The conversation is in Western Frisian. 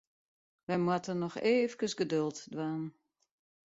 Wy moatte noch eefkes geduld dwaan.